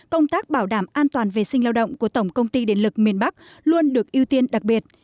công tác bảo đảm an toàn vệ sinh lao động của tổng công ty điện lực miền bắc luôn được ưu tiên đặc biệt